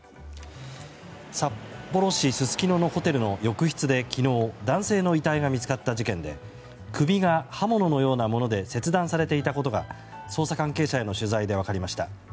札幌市すすきののホテルの浴室で昨日男性の遺体が見つかった事件で首が刃物のようなもので切断されていたことが捜査関係者への取材で分かりました。